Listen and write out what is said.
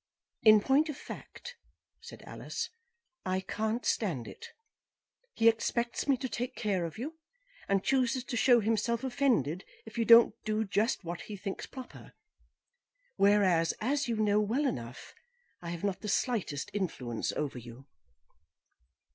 "In point of fact," said Alice, "I can't stand it. He expects me to take care of you, and chooses to show himself offended if you don't do just what he thinks proper; whereas, as you know well enough, I have not the slightest influence over you."